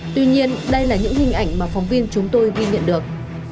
tuy nhiên đây là những hình ảnh mà phóng viên chúng tôi ghi nhận được